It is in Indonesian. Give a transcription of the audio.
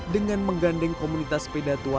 dengan menggandeng komunitas sepeda tua